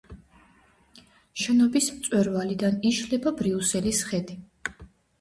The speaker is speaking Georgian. შენობის მწვერვალიდან იშლება ბრიუსელის ხედი.